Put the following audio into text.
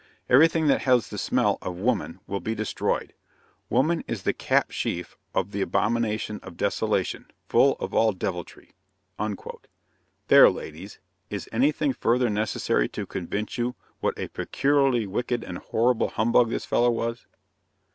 Everything that has the smell of woman will be destroyed. Woman is the cap sheaf of the abomination of desolation, full of all deviltry." There, ladies! Is anything further necessary to convince you what a peculiarly wicked and horrible humbug this fellow was?